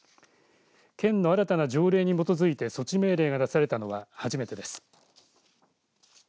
県の新たな条例に基づいて措置命令が出されたのは初めてです。